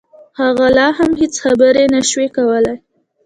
هغه لا هم هېڅ خبرې نشوای کولای